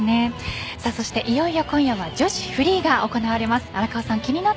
そしていよいよ今夜は女子フリーが行われます。